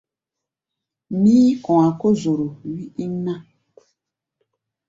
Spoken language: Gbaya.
Mí̧í̧-kɔ̧a̧ kó zoro wí íŋ ná.